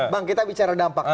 bang kita bicara dampak